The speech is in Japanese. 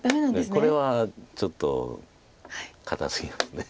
これはちょっと堅すぎるんで。